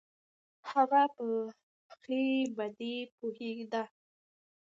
هغه په ښې بدې پوهېده.